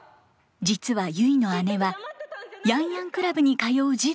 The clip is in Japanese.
実はゆいの姉はヤンヤンクラブに通う児童でした。